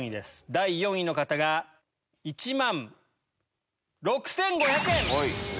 第４位の方が１万６５００円！